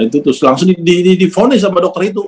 terus langsung di di di di phone in sama dokter itu